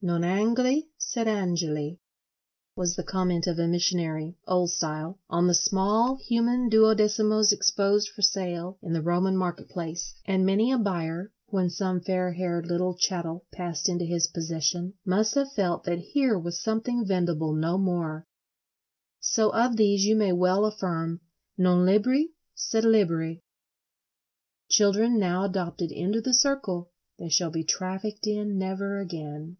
Non angli sed Angeli was the comment of a missionary (old style) on the small human duodecimos exposed for sale in the Roman market place; and many a buyer, when some fair haired little chattel passed into his possession, must have felt that here was something vendible no more. So of these you may well affirm Non libri sed liberi; children now, adopted into the circle, they shall be trafficked in never again.